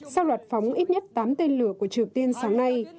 sau loạt phóng ít nhất tám tên lửa của triều tiên sáng nay